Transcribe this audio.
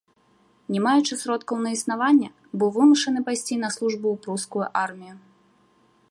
Не маючы сродкаў на існаванне, быў вымушаны пайсці на службу ў прускую армію.